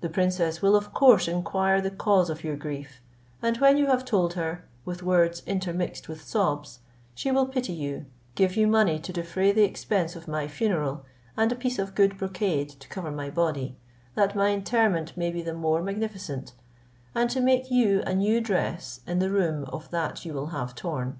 The princess will of course inquire the cause of your grief; and when you have told her, with words intermixed with sobs, she will pity you, give you money to defray the expense of my funeral, and a piece of good brocade to cover my body, that my interment may be the more magnificent, and to make you a new dress in the room of that you will have torn.